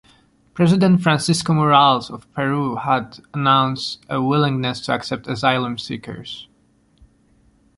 President Francisco Morales of Peru had announced a willingness to accept asylum-seekers.